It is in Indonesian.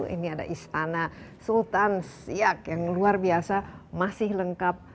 ini ada istana sultan siak yang luar biasa masih lengkap